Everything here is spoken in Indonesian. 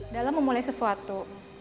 dalam memulai sesuatu